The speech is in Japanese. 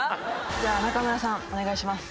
じゃあ中村さんお願いします。